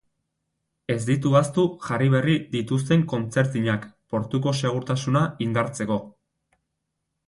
Ez ditu ahaztu jarri berri dituzten kontzertinak portuko segurtasuna indartzeko.